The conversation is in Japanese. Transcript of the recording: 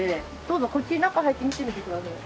どうぞこっち中入って見てみてください。